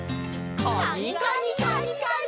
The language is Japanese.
カニカニカニカニ。